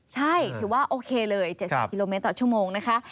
ใช่ถือว่าโอเคเลย๗๐กิโลเมตรต่อชั่วโมงนะคะ